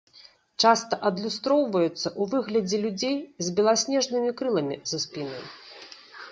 Часта адлюстроўваюцца ў выглядзе людзей з беласнежнымі крыламі за спінай.